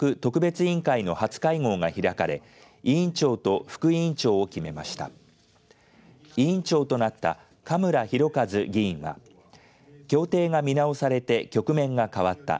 委員長となった嘉村弘和議員は協定が見直されて局面が変わった。